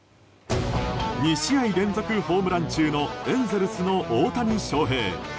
２試合連続ホームラン中のエンゼルスの大谷翔平。